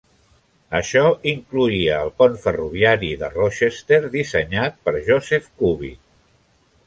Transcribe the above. Això incloïa el pont ferroviari de Rochester, dissenyat per Joseph Cubitt.